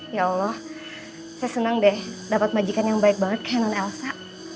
ya allah saya senang deh dapat majikan yang baik banget kehanon elsa